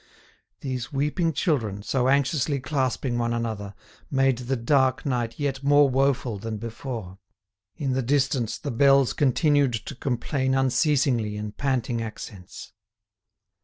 These weeping children, so anxiously clasping one another, made the dark night yet more woeful than before. In the distance, the bells continued to complain unceasingly in panting accents.